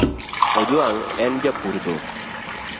Ojwang en japur dhok